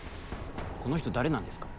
この人誰なんですか？